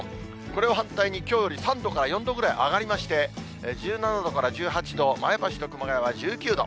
これは反対にきょうより３度から４度上がりまして、１７度から１８度、前橋と熊谷は１９度。